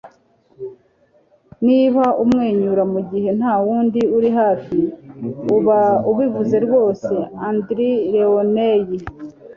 niba umwenyura mugihe ntawundi uri hafi, uba ubivuze rwose. - andy rooney